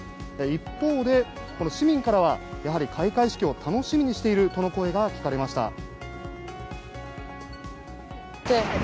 一方で、市民からはやはり開会式を楽しみにしているとの声が聞かれました。